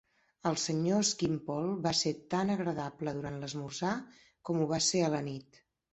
El senyor Skimpole va ser tan agradable durant l'esmorzar com ho va ser a la nit.